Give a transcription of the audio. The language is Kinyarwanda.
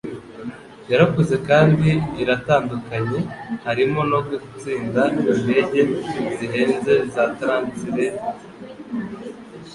yarakuze kandi iratandukanye, harimo no gutsinda indege zihenze za transatlantike